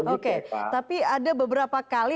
oke tapi ada beberapa kali